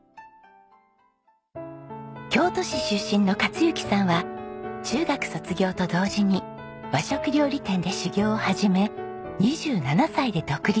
京都市出身の克幸さんは中学卒業と同時に和食料理店で修業を始め２７歳で独立。